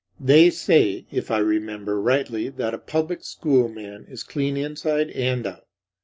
They say (if I remember rightly) that a public school man is clean inside and out.